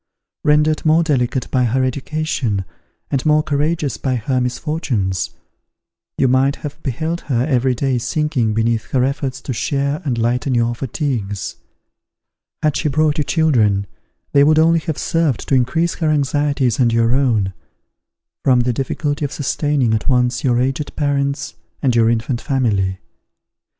Rendered more delicate by her education, and more courageous by her misfortunes, you might have beheld her every day sinking beneath her efforts to share and lighten your fatigues. Had she brought you children, they would only have served to increase her anxieties and your own, from the difficulty of sustaining at once your aged parents and your infant family.